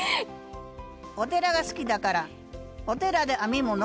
お寺が好きだからお寺で編み物？